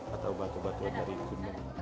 atau batu batuan dari gunung